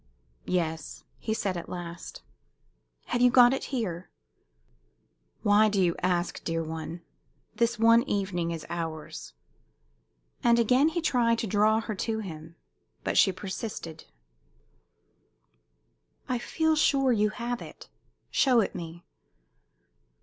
"Yes," he said, at last. "Have you got it here?" "Why do you ask, dear one? This one evening is ours." And again he tried to draw her to him. But she persisted. "I feel sure you have it. Show it me."